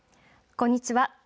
こんにちは。